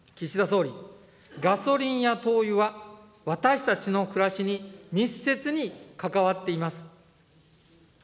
岸田総理、ガソリンや灯油は私たちの暮らしに密接に関わっています。